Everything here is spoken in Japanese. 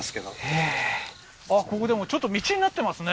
ここでもちょっと道になってますね